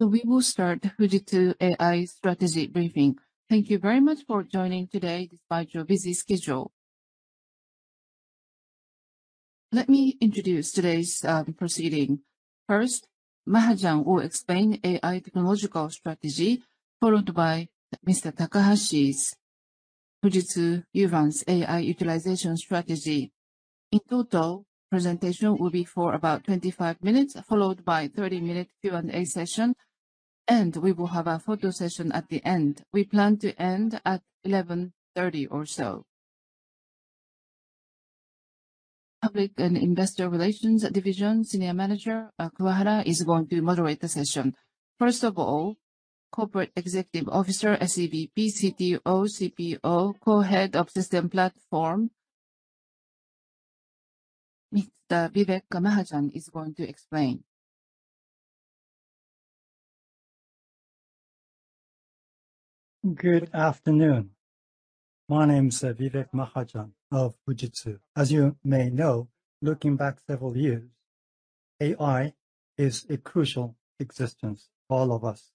So we will start the Fujitsu AI strategy briefing. Thank you very much for joining today despite your busy schedule. Let me introduce today's proceedings. First, Mahajan will explain AI technological strategy, followed by Mr. Takahashi's Fujitsu Uvance's AI utilization strategy. In total, the presentation will be for about 25 minutes, followed by a 30-minute Q&A session, and we will have a photo session at the end. We plan to end at 11:30 A.M. or so. Public and Investor Relations Division Senior Manager Kawahara is going to moderate the session. First of all, Corporate Executive Officer SEVP, CTO, CPO, Co-Head of System Platform, Mr. Vivek Mahajan is going to explain. Good afternoon. My name's Vivek Mahajan of Fujitsu. As you may know, looking back several years, AI is a crucial existence for all of us.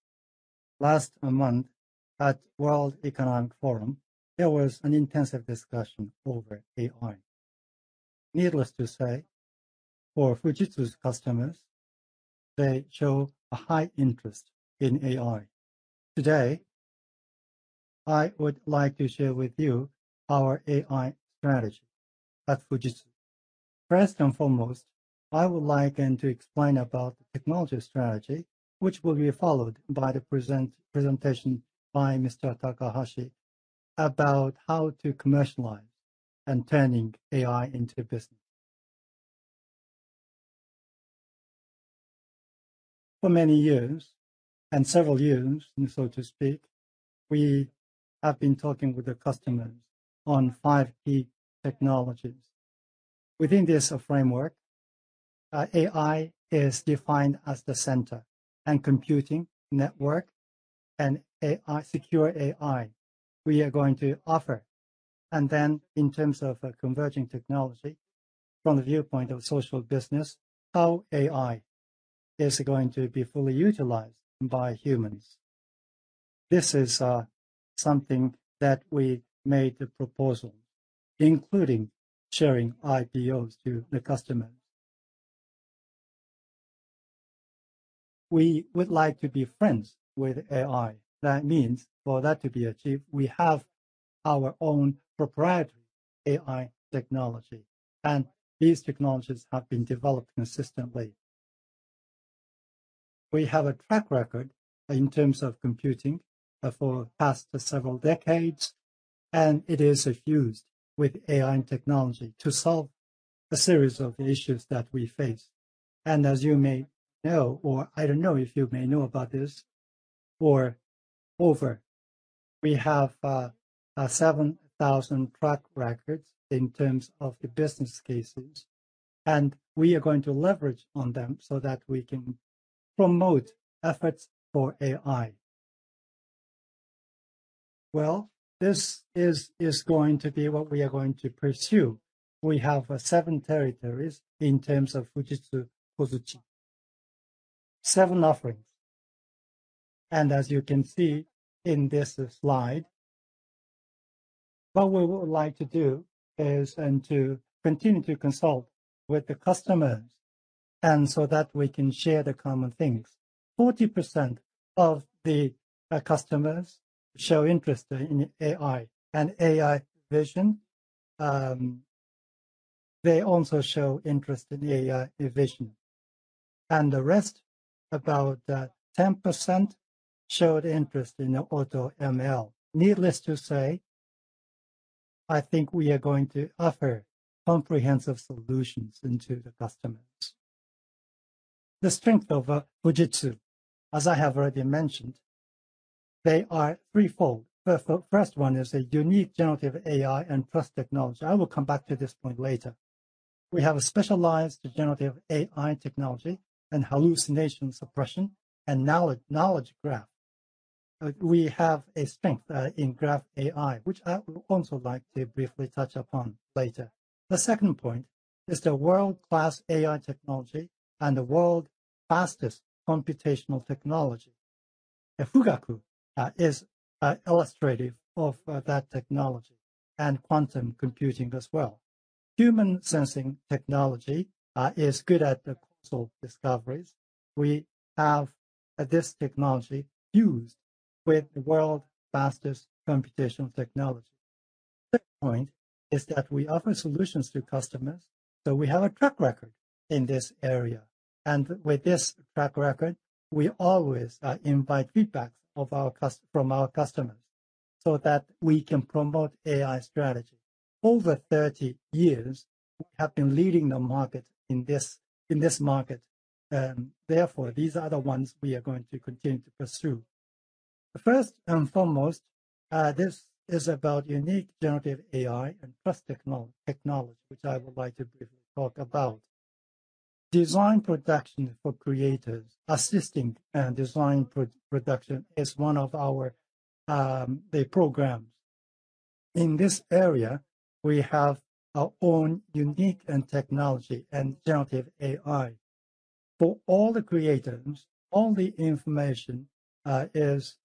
Last month at World Economic Forum, there was an intensive discussion over AI. Needless to say, for Fujitsu's customers, they show a high interest in AI. Today, I would like to share with you our AI strategy at Fujitsu. First and foremost, I would like to explain about the technology strategy, which will be followed by the presentation by Mr. Takahashi about how to commercialize and turning AI into business. For many years, and several years, so to speak, we have been talking with the customers on five key technologies. Within this framework, AI is defined as the center, and Computing Network, and AI secure AI we are going to offer. And then, in terms of converging technology, from the viewpoint of social business, how AI is going to be fully utilized by humans. This is something that we made the proposal, including sharing APIs to the customers. We would like to be friends with AI. That means, for that to be achieved, we have our own proprietary AI technology, and these technologies have been developed consistently. We have a track record in terms of computing, for the past several decades, and it is fused with AI and technology to solve a series of issues that we face. And as you may know, or I don't know if you may know about this, we have over 7,000 track records in terms of the business cases, and we are going to leverage on them so that we can promote efforts for AI. Well, this is going to be what we are going to pursue. We have seven territories in terms of Fujitsu Kozuchi, seven offerings. And as you can see in this slide, what we would like to do is to continue to consult with the customers, and so that we can share the common things. 40% of the customers show interest in AI, and AI vision, they also show interest in AI vision. And the rest, about 10%, showed interest in AutoML. Needless to say, I think we are going to offer comprehensive solutions into the customers. The strength of Fujitsu, as I have already mentioned, they are threefold. The first one is a unique generative AI and trust technology. I will come back to this point later. We have a specialized generative AI technology and hallucination suppression and knowledge graph. We have a strength in graph AI, which I would also like to briefly touch upon later. The second point is the world-class AI technology and the world's fastest computational technology. Fugaku is illustrative of that technology, and quantum computing as well. Human sensing technology is good at the causal discoveries. We have this technology fused with the world's fastest computational technology. The third point is that we offer solutions to customers, so we have a track record in this area. And with this track record, we always invite feedback of our customers from our customers so that we can promote AI strategy. Over 30 years, we have been leading the market in this market, therefore these are the ones we are going to continue to pursue. First and foremost, this is about unique generative AI and trust technology, which I would like to briefly talk about. Design production for creators, assisting and design pre-production is one of our programs. In this area, we have our own unique technology and generative AI. For all the creators, all the information is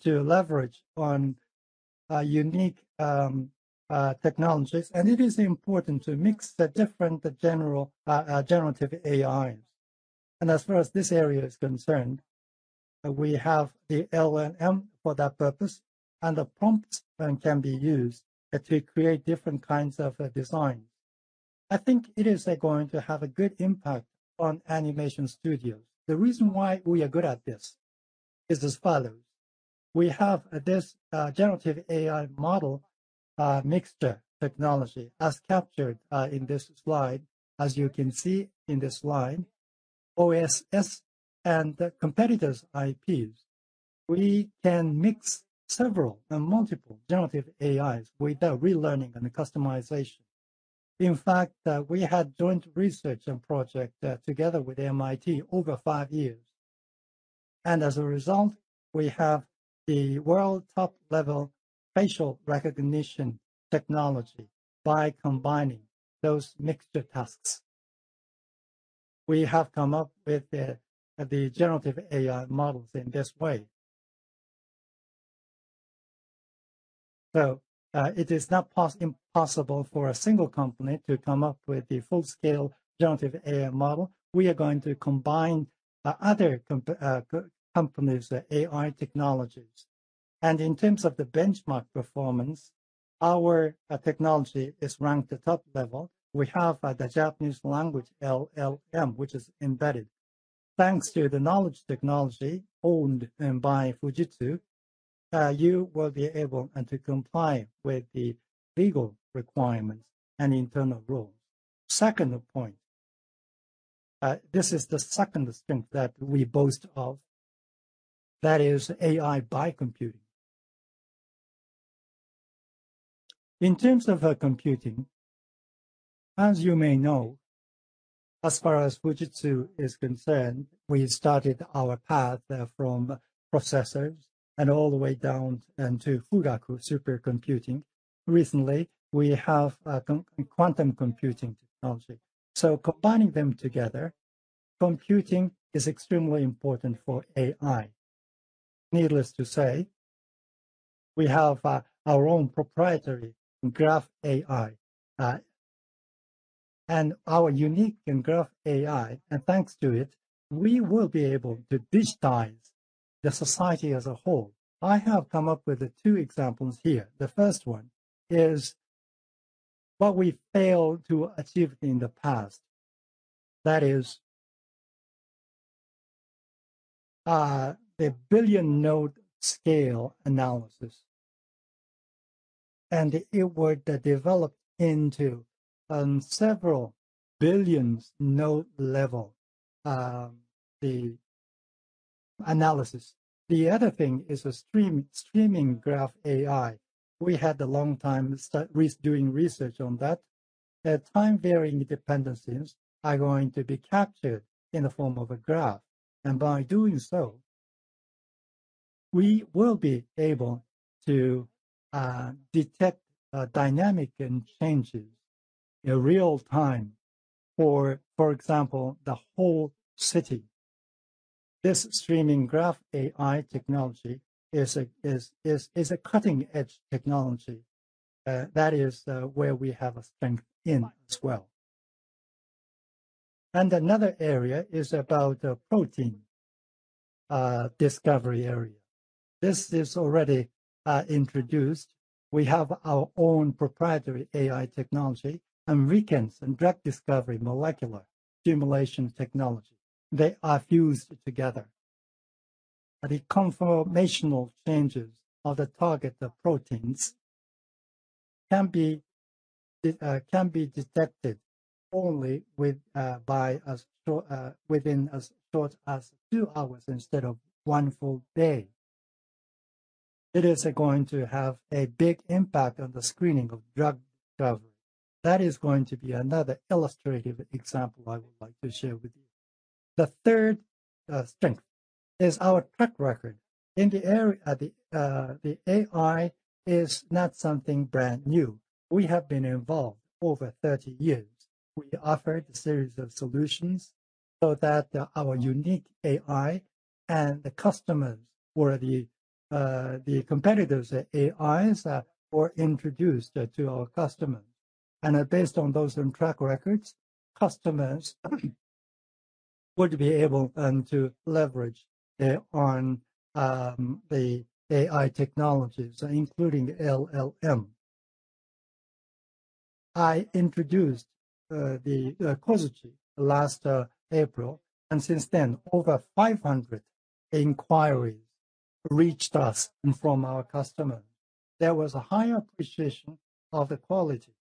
to leverage on unique technologies, and it is important to mix the different general generative AIs. As far as this area is concerned, we have the LLM for that purpose, and the prompts can be used to create different kinds of designs. I think it is going to have a good impact on animation studios. The reason why we are good at this is as follows. We have this generative AI model mixture technology, as captured in this slide, as you can see in this slide, OSS and competitors IPs. We can mix several multiple generative AIs without relearning and customization. In fact, we had joint research and project together with MIT over five years. And as a result, we have the world-top-level facial recognition technology by combining those mixture tasks. We have come up with the generative AI models in this way. So, it is not impossible for a single company to come up with the full-scale generative AI model. We are going to combine other companies' AI technologies. And in terms of the benchmark performance, our technology is ranked at top level. We have the Japanese language LLM, which is embedded. Thanks to the knowledge technology owned by Fujitsu, you will be able to comply with the legal requirements and internal rules. Second point, this is the second strength that we boast of, that is AI by computing. In terms of computing, as you may know, as far as Fujitsu is concerned, we started our path from processors and all the way down to Fugaku supercomputing. Recently, we have quantum computing technology. So combining them together, computing is extremely important for AI. Needless to say, we have our own proprietary graph AI, and our unique graph AI, and thanks to it, we will be able to digitize the society as a whole. I have come up with two examples here. The first one is what we failed to achieve in the past, that is, the billion-node scale analysis, and it would develop into several billion-node level the analysis. The other thing is a streaming graph AI. We had a long time studying research on that. Time-varying dependencies are going to be captured in the form of a graph, and by doing so, we will be able to detect dynamic changes in real time, for example, the whole city. This streaming graph AI technology is a cutting-edge technology, that is, where we have a strength in as well. And another area is about protein discovery area. This is already introduced. We have our own proprietary AI technology and drug discovery molecular simulation technology. They are fused together. The conformational changes of the target proteins can be detected only within as short as two hours instead of one full day. It is going to have a big impact on the screening of drug discovery. That is going to be another illustrative example I would like to share with you. The third strength is our track record. In the area, the AI is not something brand new. We have been involved over 30 years. We offered a series of solutions so that our unique AI and the competitors' AIs were introduced to our customers. And based on those track records, customers would be able to leverage on the AI technologies, including LLM. I introduced the Kozuchi last April, and since then, over 500 inquiries reached us from our customers. There was a high appreciation of the quality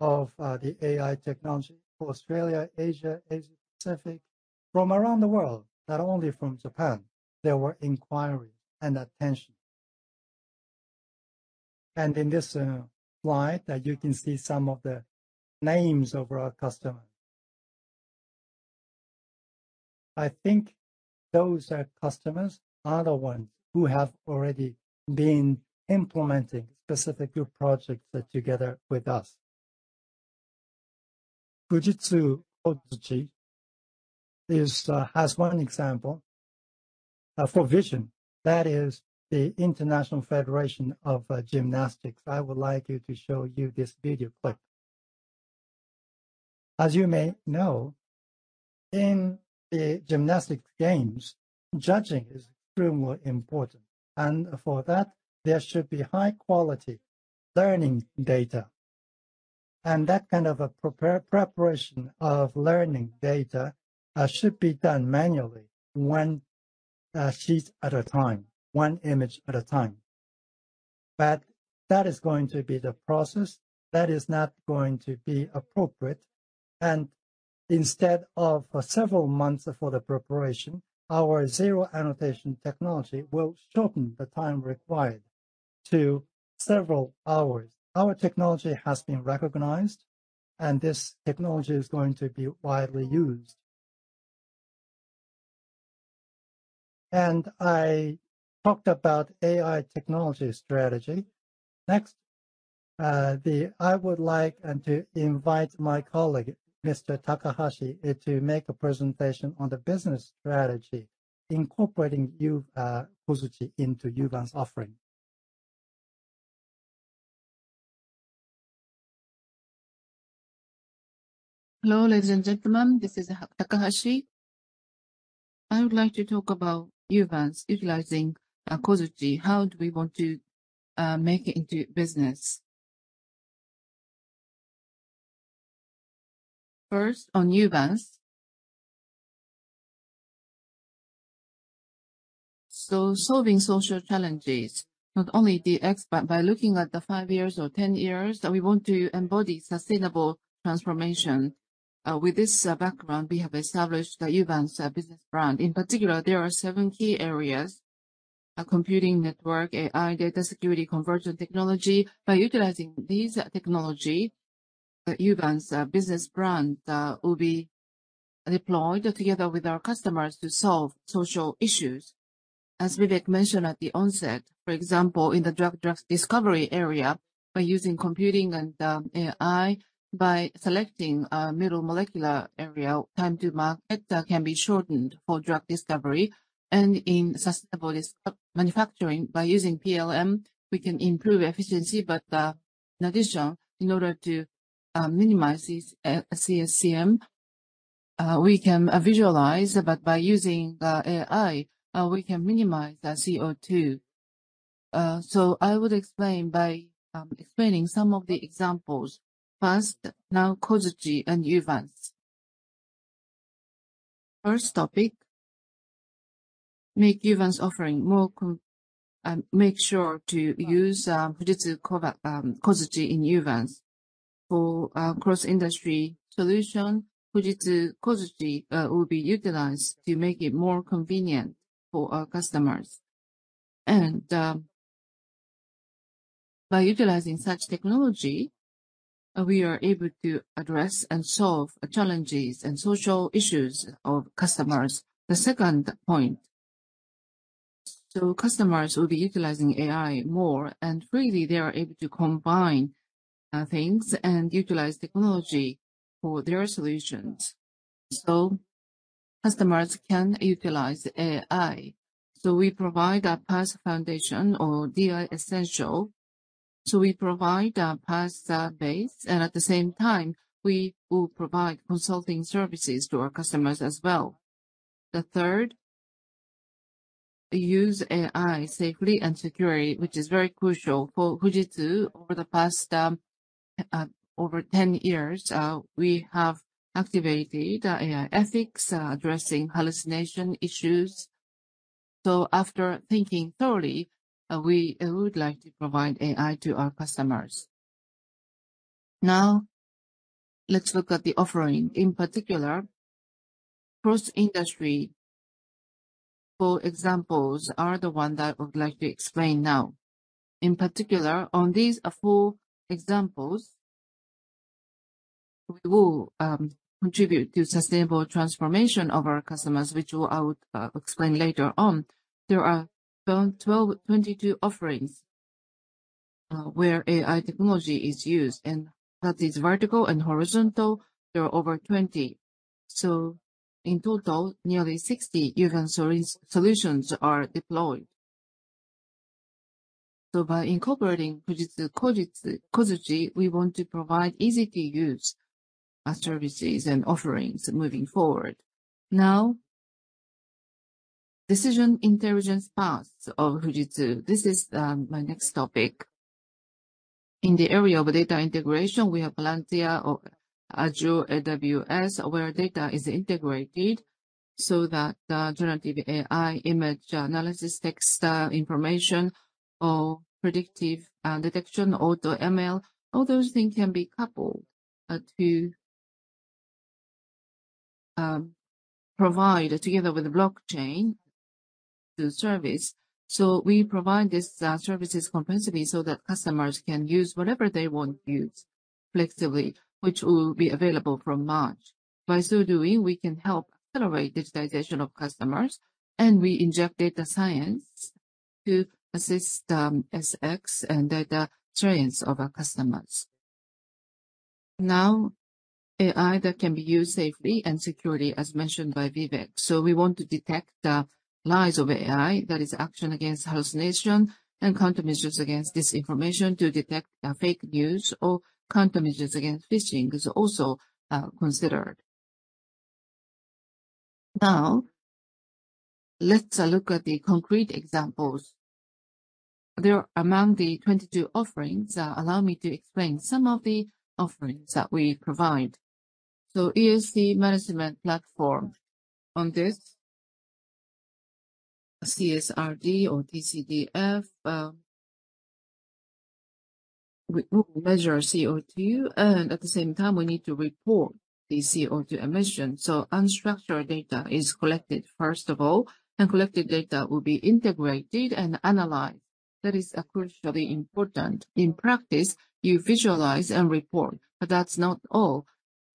of the AI technology for Australia, Asia Pacific, from around the world, not only from Japan. There were inquiries and attention. And in this slide, you can see some of the names of our customers. I think those customers are the ones who have already been implementing specific good projects together with us. Fujitsu Kozuchi is, has one example, for vision, that is the International Federation of Gymnastics. I would like you to show you this video clip. As you may know, in the gymnastics games, judging is extremely important, and for that, there should be high-quality learning data. And that kind of a preparation of learning data should be done manually, one sheet at a time, one image at a time. But that is going to be the process that is not going to be appropriate, and instead of several months for the preparation, our zero-annotation technology will shorten the time required to several hours. Our technology has been recognized, and this technology is going to be widely used. And I talked about AI technology strategy. Next, I would like to invite my colleague, Mr. Takahashi, to make a presentation on the business strategy incorporating Uvance, Kozuchi into Uvance's offering. Hello, ladies and gentlemen. This is Takahashi. I would like to talk about Uvance's utilizing Kozuchi. How do we want to make it into business? First, on Uvance's, so solving social challenges, not only the DX but by looking at the five years or 10 years, we want to embody sustainable transformation. With this background, we have established Uvance's business brand. In particular, there are seven key areas, computing network, AI, data security, conversion technology. By utilizing these technology, Uvance's business brand will be deployed together with our customers to solve social issues. As Vivek mentioned at the onset, for example, in the drug discovery area, by using computing and AI, by selecting middle molecular area, time to market can be shortened for drug discovery. In Sustainable Manufacturing, by using PLM, we can improve efficiency, but, in addition, in order to minimize these CO2, we can visualize, but by using AI, we can minimize CO2. So I would explain by explaining some of the examples. First, now Kozuchi and Uvance's. First topic, make Uvance's offering more con make sure to use Fujitsu Kozuchi in Uvance's. For cross-industry solution, Fujitsu Kozuchi will be utilized to make it more convenient for our customers. And by utilizing such technology, we are able to address and solve challenges and social issues of customers. The second point, so customers will be utilizing AI more, and freely they are able to combine things and utilize technology for their solutions. So customers can utilize AI. So we provide a PaaS foundation or DI Essential. So we provide a PSI database, and at the same time, we will provide consulting services to our customers as well. The third, use AI safely and securely, which is very crucial for Fujitsu. Over the past, over 10 years, we have activated, AI ethics, addressing hallucination issues. So after thinking thoroughly, we would like to provide AI to our customers. Now, let's look at the offering. In particular, cross-industry four examples are the one that I would like to explain now. In particular, on these four examples, we will, contribute to sustainable transformation of our customers, which I would, explain later on. There are 12, 22 offerings, where AI technology is used, and that is vertical and horizontal. There are over 20. So in total, nearly 60 Fujitsu Uvance solutions are deployed. So by incorporating Fujitsu Kozuchi, we want to provide easy-to-use, services and offerings moving forward. Now, Decision Intelligence PaaS of Fujitsu. This is my next topic. In the area of data integration, we have Palantir, Azure, AWS, where data is integrated so that generative AI, image analysis, text information, or predictive detection, AutoML, all those things can be coupled to provide together with blockchain to service. So we provide these services comprehensively so that customers can use whatever they want to use flexibly, which will be available from March. By so doing, we can help accelerate digitization of customers, and we inject data science to assist DX and data trends of our customers. Now, AI that can be used safely and securely, as mentioned by Vivek. So we want to detect lies of AI, that is, action against hallucination and countermeasures against disinformation to detect fake news or countermeasures against phishing is also considered. Now, let's look at the concrete examples. There are among the 22 offerings, allow me to explain some of the offerings that we provide. So ESG Management Platform. On this, CSRD or TCFD, we will measure CO2, and at the same time, we need to report the CO2 emissions. So unstructured data is collected, first of all, and collected data will be integrated and analyzed. That is, crucially important. In practice, you visualize and report, but that's not all.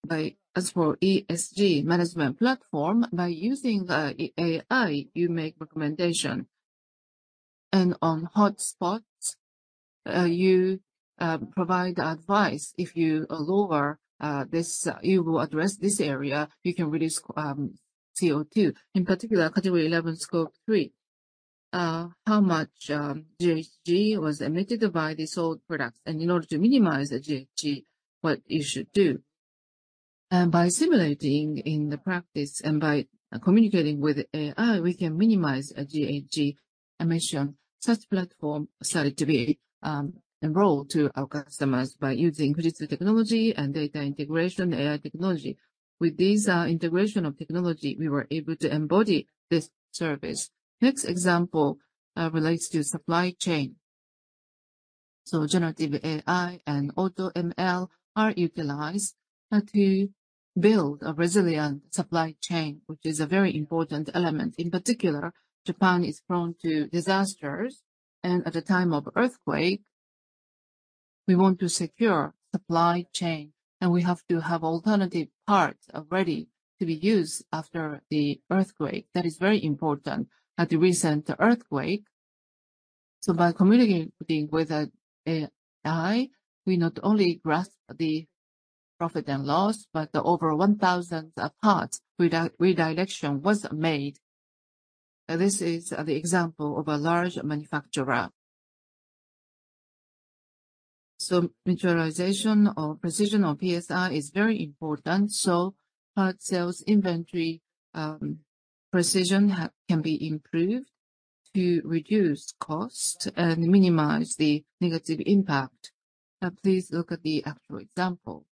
By as for ESG Management Platform, by using AI, you make recommendations. And on hotspots, you provide advice. If you lower this, you will address this area. You can release CO2. In particular, Category 11 Scope 3, how much GHG was emitted by these old products. And in order to minimize the GHG, what you should do. And by simulating in the practice and by communicating with AI, we can minimize a GHG emission. Such platform started to be enrolled to our customers by using Fujitsu technology and data integration, AI technology. With these integration of technology, we were able to embody this service. Next example relates to supply chain. So generative AI and AutoML are utilized to build a resilient supply chain, which is a very important element. In particular, Japan is prone to disasters, and at the time of earthquake, we want to secure supply chain, and we have to have alternative parts already to be used after the earthquake. That is very important. At the recent earthquake. So by communicating with AI, we not only grasp the profit and loss, but the over 1,000 parts redirection was made. This is the example of a large manufacturer. So mutualization or precision of PSI is very important. So, PSI precision can be improved to reduce costs and minimize the negative impact. Please look at the actual example.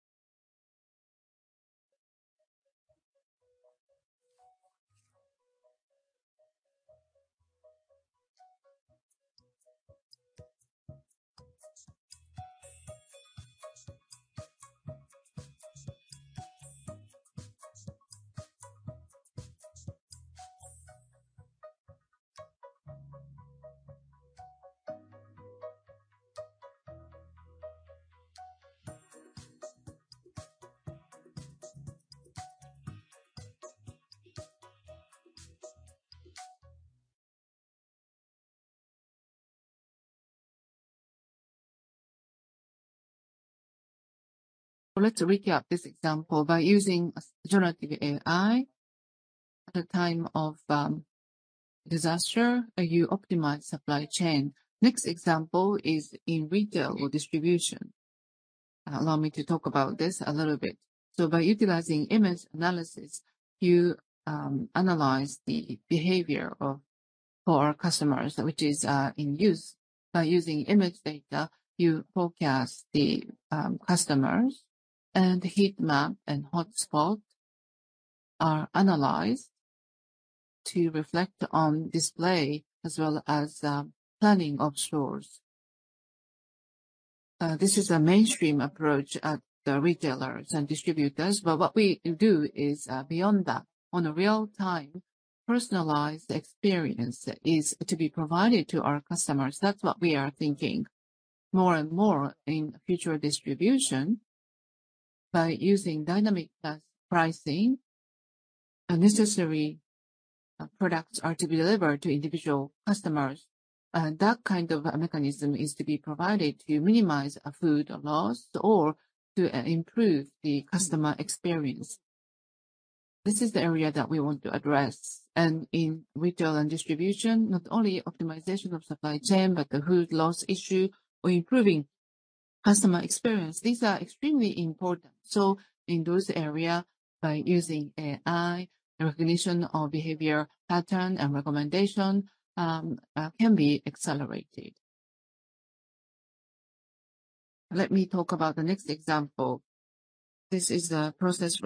Let's recap this example. By using generative AI at the time of disaster, you optimize supply chain. Next example is in retail or distribution. Allow me to talk about this a little bit. By utilizing image analysis, you analyze the behavior of our customers, which is in use. By using image data, you forecast the customers, and heat map and hotspot are analyzed to reflect on display as well as planning of stores. This is a mainstream approach at the retailers and distributors, but what we do is beyond that. On a real-time personalized experience is to be provided to our customers. That's what we are thinking more and more in future distribution. By using dynamic pricing, necessary products are to be delivered to individual customers. That kind of mechanism is to be provided to minimize food loss or to improve the customer experience. This is the area that we want to address. In retail and distribution, not only optimization of supply chain, but the food loss issue or improving customer experience, these are extremely important. In those areas, by using AI, recognition of behavior pattern and recommendation, can be accelerated. Let me talk about the next example. This is a process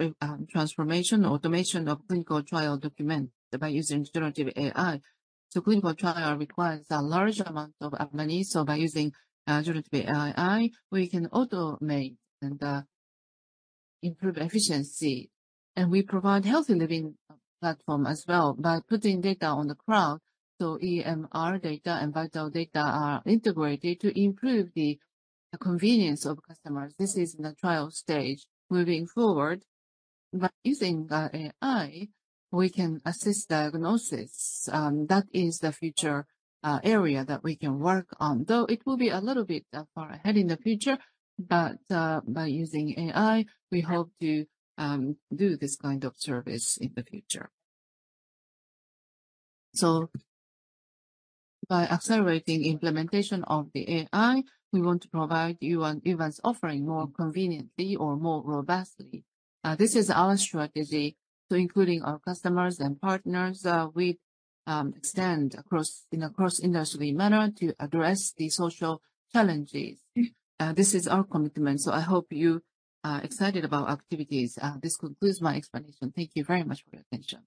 transformation or automation of clinical trial documents by using generative AI. Clinical trial requires a large amount of money. By using generative AI, we can automate and improve efficiency. We provide Healthy Living platform as well by putting data on the cloud. EMR data and vital data are integrated to improve the convenience of customers. This is in the trial stage. Moving forward, by using AI, we can assist diagnosis. That is the future area that we can work on, though it will be a little bit far ahead in the future. But by using AI, we hope to do this kind of service in the future. So by accelerating implementation of the AI, we want to provide Uvance's offering more conveniently or more robustly. This is our strategy. So including our customers and partners, we extend across in a cross-industry manner to address the social challenges. This is our commitment. So I hope you excited about activities. This concludes my explanation. Thank you very much for your attention.